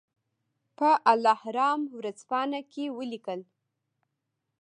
په الاهرام ورځپاڼه کې ولیکل.